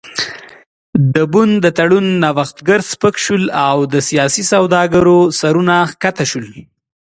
د بن د تړون نوښتګر سپک شول او د سیاسي سوداګرو سرونه ښکته شول.